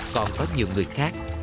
còn có nhiều người khác